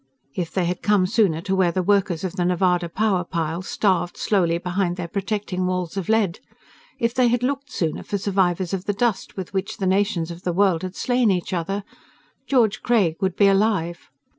If they had come sooner to where the workers of the Nevada power pile starved slowly behind their protecting walls of lead if they had looked sooner for survivors of the dust with which the nations of the world had slain each other George Craig would be alive.